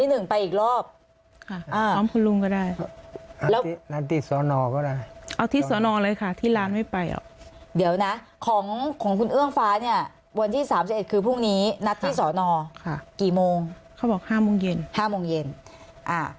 ถ้าสมมุติของอะไรไม่ได้ไปนัดของคุณลุงชะนี้ก่อนนะ